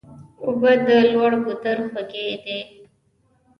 اوبه د لوړ ګودر خوږې دي.